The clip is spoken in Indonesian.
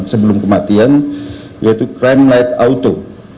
sebelum kematian yaitu crime light auto